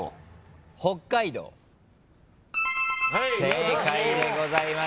正解でございます。